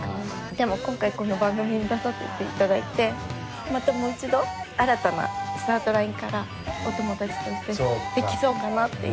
でも今回この番組に出させて頂いてまたもう一度新たなスタートラインからお友達としてできそうかなっていう。